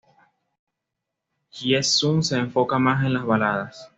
Hye Sung se enfoca más en las baladas.